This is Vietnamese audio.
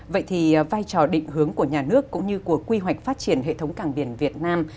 vậy thì vai trò định hướng của nhà nước cũng như của quy hoạch phát triển hệ thống cảng biển việt nam